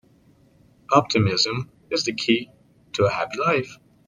Optimism is the key to a happy life.